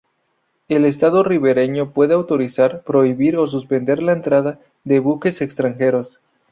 El Estado ribereño puede autorizar, prohibir o suspender la entrada de buques extranjeros.